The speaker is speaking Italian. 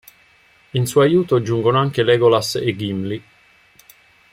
In suo aiuto giungono anche Legolas e Gimli.